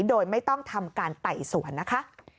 โดยไม่ต้องทำการไต่สวนนะคะ